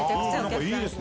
いいですね。